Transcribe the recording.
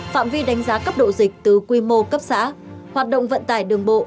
phạm vi đánh giá cấp độ dịch từ quy mô cấp xã hoạt động vận tải đường bộ